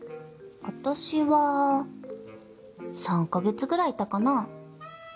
私は３か月ぐらいいたかな？